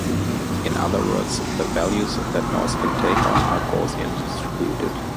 In other words, the values that the noise can take on are Gaussian-distributed.